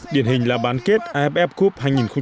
điển hình là bán kết aff cup hai nghìn một mươi chín